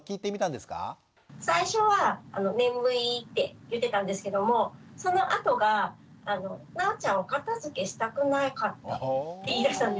最初は「眠い」って言ってたんですけどもそのあとが「なおちゃんお片づけしたくなかった」って言いだしたんですね。